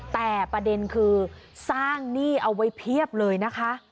แต่ประเด็นคือสร้างหนี้เอาไว้เพียบเลยนะคะ